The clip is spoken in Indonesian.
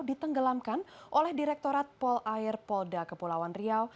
ditenggelamkan oleh direktorat pol air polda kepulauan riau